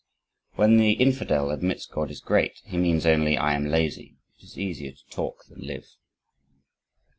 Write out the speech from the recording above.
When the infidel admits God is great, he means only: "I am lazy it is easier to talk than live."